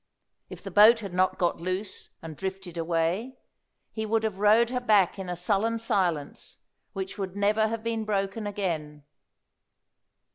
If the boat had not got loose and drifted away, he would have rowed her back in a sullen silence which would never have been broken again.